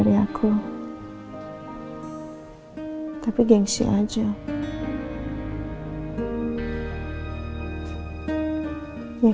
runa mau dinega uggah